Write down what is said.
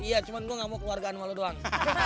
iya cuma gua nggak mau keluargaan sama lu doang